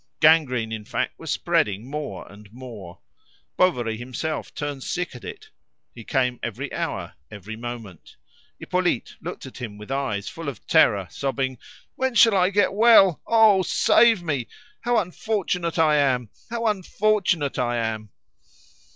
Gangrene, in fact, was spreading more and more. Bovary himself turned sick at it. He came every hour, every moment. Hippolyte looked at him with eyes full of terror, sobbing "When shall I get well? Oh, save me! How unfortunate I am! How unfortunate I am!"